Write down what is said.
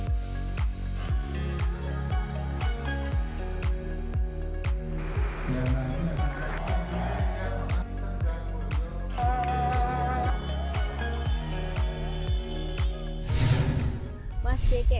oh ya mas